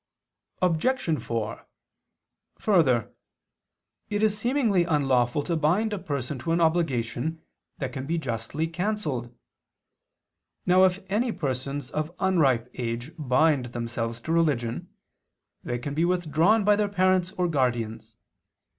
Obj. 4: Further, it is seemingly unlawful to bind a person to an obligation that can be justly canceled. Now if any persons of unripe age bind themselves to religion, they can be withdrawn by their parents or guardians.